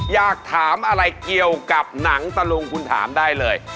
อยากถามอะไรเกี่ยวกับหนังตะลุงคุณถามได้เลย